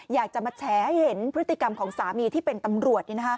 อยากจะมาแชร์ให้เห็นพฤติกรรมของสามีที่เป็นตำรวจ